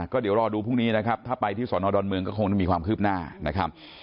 ก็เดี๋ยวรอดูพรุ่งนี้นะครับถ้าไปที่สอนอดอนเมืองก็คงจะมีความคืบหน้านะครับ